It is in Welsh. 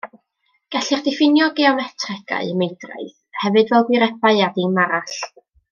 Gellir diffinio geometregau meidraidd hefyd fel gwirebau, a dim arall.